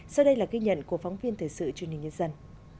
sau đây là ghi nhận của phóng viên thời sự truyền hình nhân dân